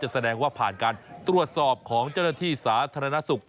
แสดงว่าผ่านการตรวจสอบของเจ้าหน้าที่สาธารณสุข